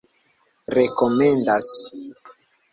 rekomendas